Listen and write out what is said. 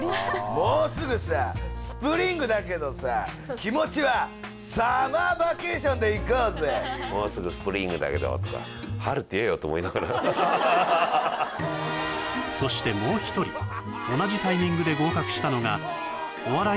もうすぐさスプリングだけどさ気持ちはサマーバケーションでいこうぜだけどとかと思いながらそしてもう一人同じタイミングで合格したのがお笑い